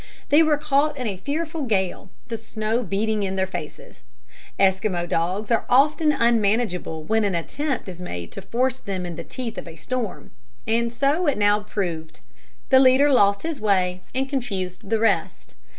They were caught in a fearful gale, the snow beating in their faces. Esquimaux dogs are often unmanageable when an attempt is made to force them in the teeth of a storm; and so it now proved. The leader lost his way and confused the rest.